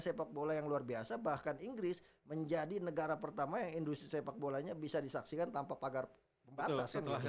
sepak bola yang luar biasa bahkan inggris menjadi negara pertama yang industri sepak bolanya bisa disaksikan tanpa pagar pembatas